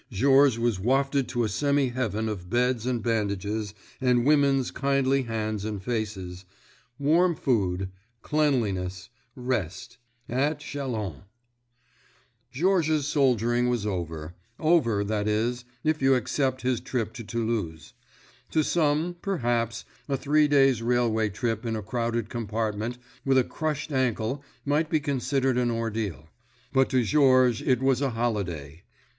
Georges was wafted to a semi heaven of beds and bandages and women's kindly hands and faces—warm food—cleanliness; rest—at Châlons! Georges's soldiering was over—over, that is, if you except his trip to Toulouse. To some, perhaps, a three days' railway trip in a crowded compartment with a crushed ankle might be considered an ordeal. But to Georges it was a holiday.